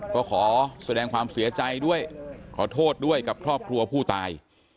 ก็ขอแสดงความเสียใจด้วยขอโทษด้วยกับครอบครัวผู้ตาย